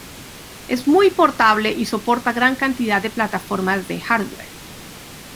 Es muy portable y soporta gran cantidad de plataformas de hardware.